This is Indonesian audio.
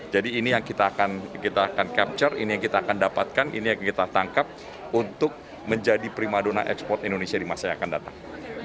jadi ini yang kita akan capture ini yang kita akan dapatkan ini yang kita tangkap untuk menjadi primadona ekspor indonesia di masa yang akan datang